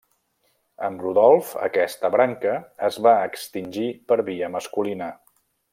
Amb Rodolf aquesta branca es va extingir per via masculina.